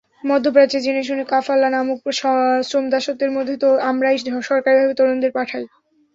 মধ্যপ্রাচ্যে জেনেশুনে কাফালা নামক শ্রমদাসত্বের মধ্যে তো আমরাই সরকারিভাবে তরুণদের পাঠাই।